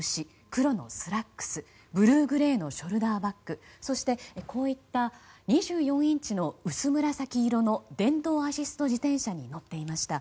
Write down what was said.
黒のスラックスブルーグレーのショルダーバッグそして２４インチの薄紫色の電動アシスト自転車に乗っていました。